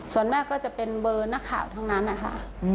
ส่วนมากก็จะเป็นเบอร์นักข่าวทั้งนั้นนะคะ